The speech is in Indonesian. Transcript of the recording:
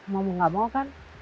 mau nggak mau kan